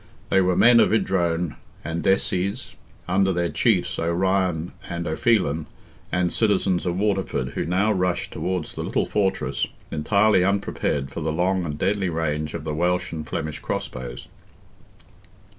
They were men of Idrone and Desies, under their chiefs, O'Ryan and O'Phelan, and citizens of Waterford, who now rushed towards the little fortress, entirely unprepared for the long and deadly range of the Welsh and Flemish crossbows.